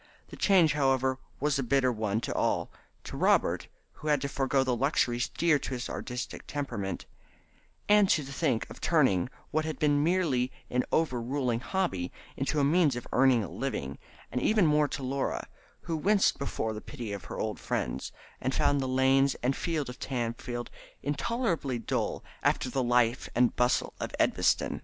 The change, however, was a bitter one to all to Robert, who had to forego the luxuries dear to his artistic temperament, and to think of turning what had been merely an overruling hobby into a means of earning a living; and even more to Laura, who winced before the pity of her old friends, and found the lanes and fields of Tamfield intolerably dull after the life and bustle of Edgbaston.